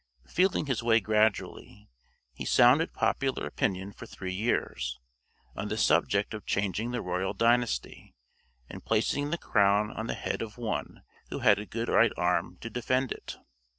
Feeling his way gradually, he sounded popular opinion for three years, on the subject of changing the royal dynasty, and placing the crown on the head of one who had a good right arm to defend it.